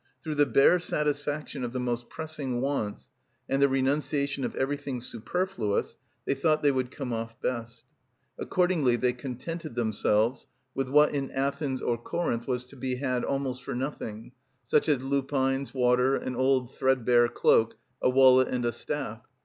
Through the bare satisfaction of the most pressing wants and the renunciation of everything superfluous they thought they would come off best. Accordingly they contented themselves with what in Athens or Corinth was to be had almost for nothing, such as lupines, water, an old threadbare cloak, a wallet, and a staff.